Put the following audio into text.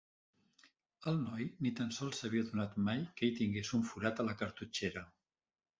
El noi ni tan sols s'havia adonat mai que hi tingués un forat a la cartutxera.